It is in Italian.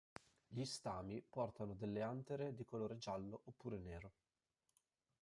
Gli stami portano delle antere di colore giallo oppure nero.